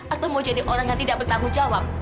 atau mau jadi orang yang tidak bertanggung jawab